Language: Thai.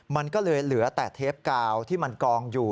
มันก็เลยเหลือแต่เทปกาวที่มันกองอยู่